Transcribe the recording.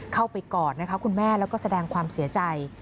เข้าไปกอดคุณแม่และก็แสดงความเสียใจ